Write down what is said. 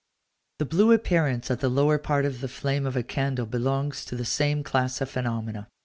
The blue appearance at the lower part of the flame of a candle belongs to the same class of phenomena.